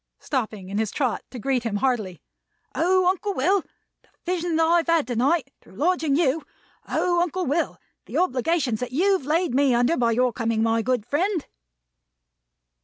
Stopping in his trot to greet him heartily. "O, Uncle Will, the vision that I've had to night, through lodging you! O, Uncle Will, the obligations that you've laid me under by your coming, my good friend!"